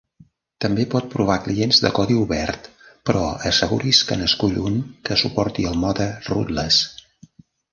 També pot provar clients de codi obert, però asseguri's que n'escull un que suporti el mode "rootless".